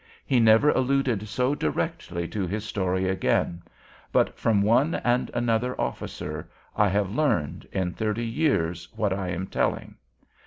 He never alluded so directly to his story again; but from one and another officer I have learned, in thirty years, what I am telling.